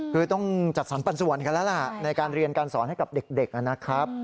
คือต้องจัดสรรปันส่วนกันแล้วล่ะในการเรียนการสอนให้กับเด็กนะครับ